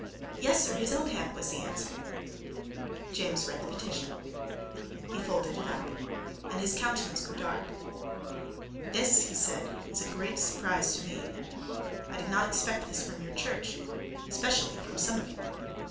"Yes, sir, his own hand," was the answer. James read the petition; he folded it up; and his countenance grew dark. "This," he said, "is a great surprise to me. I did not expect this from your Church, especially from some of you.